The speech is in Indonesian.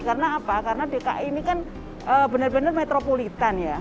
karena dki ini kan benar benar metropolitan ya